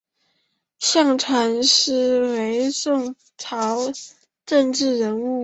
向传师是宋朝政治人物。